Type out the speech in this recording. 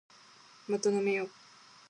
もっと飲めよ